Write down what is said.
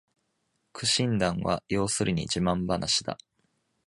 苦心談は要するに自慢ばなしだ